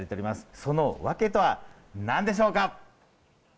そのワケとは何でしょうか？